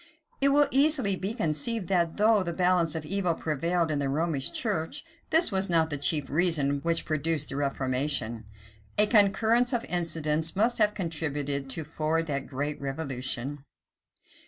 It will easily be conceived that, though the balance of evil prevailed in the Romish church, this was not the chief reason which produced the reformation. A concurrence of incidents must have contributed to forward that great revolution.